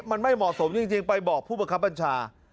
มันไม่เหมาะสมจริงไปบอกผู้บังคับบัญชา